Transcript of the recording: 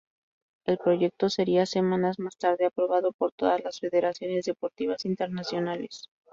El proyecto sería, semanas más tarde, aprobado por todas las Federaciones Deportivas Internacionales.